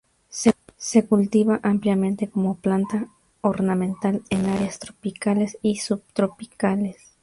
Se cultiva ampliamente como planta ornamental en áreas tropicales y subtropicales.